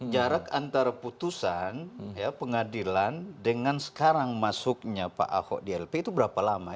jarak antara putusan pengadilan dengan sekarang masuknya pak ahok di lp itu berapa lama